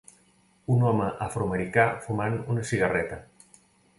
Un home afroamericà fumant una cigarreta.